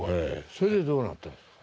それでどうなったんですか？